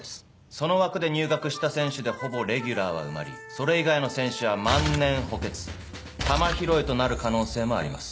その枠で入学した選手でほぼレギュラーは埋まりそれ以外の選手は万年補欠球拾いとなる可能性もあります。